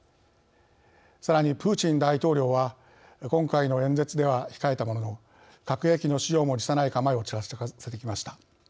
さらにプーチン大統領は今回の演説では控えたものの核兵器の使用も辞さない構えをちらつかせてきました。